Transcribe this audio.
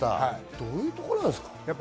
どういうところですか？